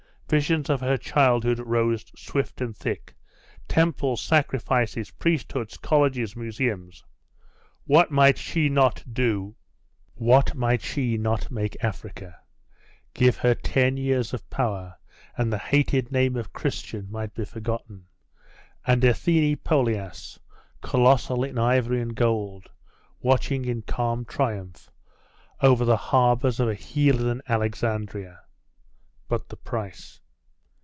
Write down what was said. Visions of her childhood rose swift and thick temples sacrifices priesthoods colleges museums! What might she not do? What might she not make Africa? Give her ten years of power, and the hated name of Christian might be forgotten, and Athene Polias, colossal in ivory and gold, watching in calm triumph over the harbours of a heathen Alexandria.... But the price!